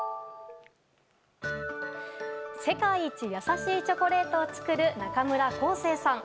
世界一優しいチョコレートを作る中村恒星さん。